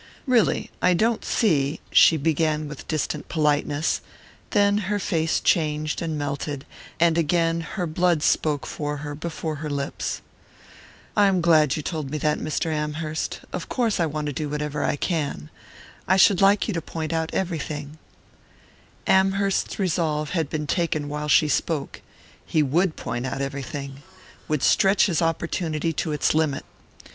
"Really, I don't see " she began with distant politeness; then her face changed and melted, and again her blood spoke for her before her lips. "I am glad you told me that, Mr. Amherst. Of course I want to do whatever I can. I should like you to point out everything " Amherst's resolve had been taken while she spoke. He would point out everything, would stretch his opportunity to its limit.